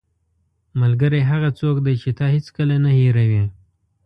ملګری هغه څوک دی چې تا هیڅکله نه هېروي.